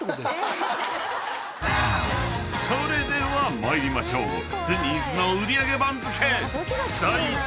［それでは参りましょう］